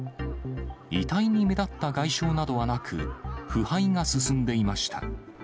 遺体に目立った外傷などはなく、腐敗が進んでいました。